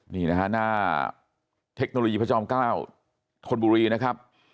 นี่นะฮะหน้าเทคโนโลยีพระจอม๙ธนบุรีนะครับ